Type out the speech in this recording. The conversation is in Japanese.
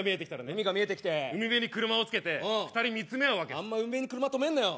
海が見えてきて海辺に車をつけて２人見つめ合うわけあんま海辺に車止めんなよ